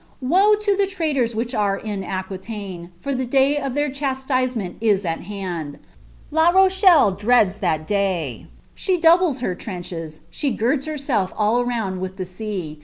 " Woe lo the traitors which are in Aqnilaine, for ilie day of theirdas' tisement is at hand ! La Roclielle dreads [hat day. She dnublea iMt trenches, she girds herself all round with the sea.